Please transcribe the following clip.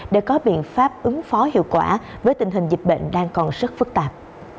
để có biện pháp ứng phó hiệu quả với tình hình dịch bệnh đang còn rất phức tạp